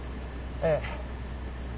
ええ。